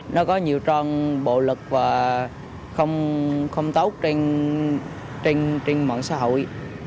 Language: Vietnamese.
nó có nhiều trang bộ lực và không tốt trên mạng xã hội